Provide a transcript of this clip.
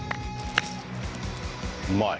うまい！